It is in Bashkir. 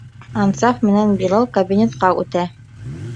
Ансаф менән Билал кабинетҡа үтә.